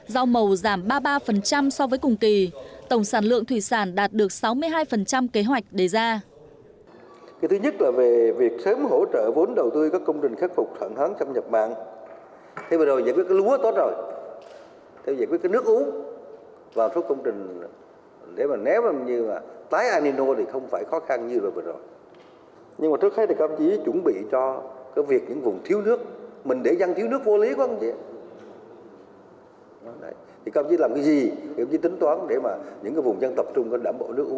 rau màu giảm ba mươi ba so với cùng kỳ tổng sản lượng thủy sản đạt được sáu mươi hai kế hoạch đề ra